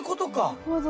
なるほど。